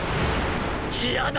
嫌だ！